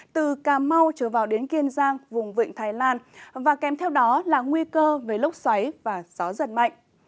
từ cà mau trở vào đến kiên giang vùng vịnh thái lan và kèm theo đó là nguy cơ với lốc xoáy và gió giật mạnh